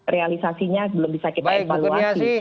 realisasinya belum bisa kita evaluasi